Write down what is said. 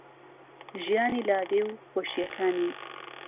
ژیانی لادێ و خۆشییەکانی